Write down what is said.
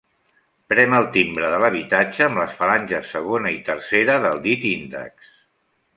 Prem el timbre de l'habitatge amb les falanges segona i tercera del dit índex.